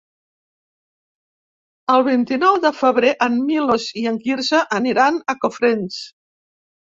El vint-i-nou de febrer en Milos i en Quirze aniran a Cofrents.